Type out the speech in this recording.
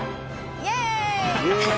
イエーイ！